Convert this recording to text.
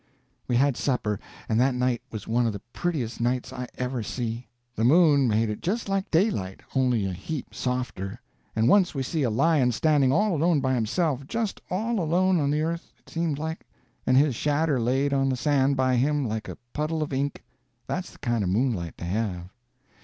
We had supper, and that night was one of the prettiest nights I ever see. The moon made it just like daylight, only a heap softer; and once we see a lion standing all alone by himself, just all alone on the earth, it seemed like, and his shadder laid on the sand by him like a puddle of ink. That's the kind of moonlight to have.